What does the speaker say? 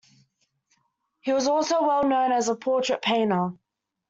He was also well known as a portrait painter.